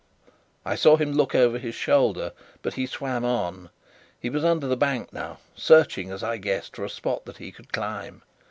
I saw him look over his shoulder, but he swam on. He was under the bank now, searching, as I guessed, for a spot that he could climb.